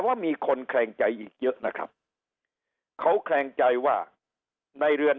ว่ามีคนแคลงใจอีกเยอะนะครับเขาแคลงใจว่าในเรือน